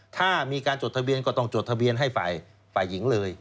ถ้ามีการจดทะเบียนก็ต้องจดทะเบียนให้ฝ่ายหญิงเลย